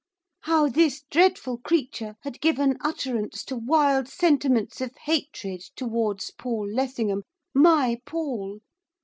How this dreadful creature had given utterance to wild sentiments of hatred towards Paul Lessingham, my Paul!